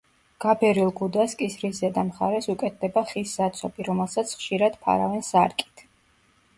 გაბერილ გუდას კისრის ზედა მხარეს უკეთდება ხის საცობი, რომელსაც ხშირად ფარავენ სარკით.